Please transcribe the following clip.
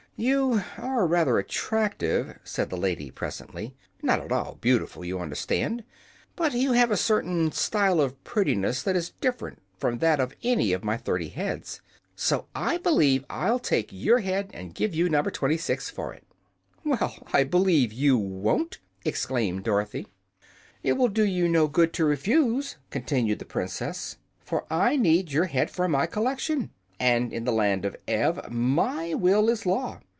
"You are rather attractive," said the lady, presently. "Not at all beautiful, you understand, but you have a certain style of prettiness that is different from that of any of my thirty heads. So I believe I'll take your head and give you No. 26 for it." "Well, I b'lieve you won't!" exclaimed Dorothy. "It will do you no good to refuse," continued the Princess; "for I need your head for my collection, and in the Land of Ev my will is law.